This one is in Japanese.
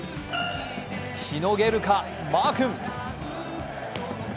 しのげるか、マー君。